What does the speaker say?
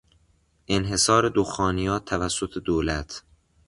انحصار دخانیات توسط دولت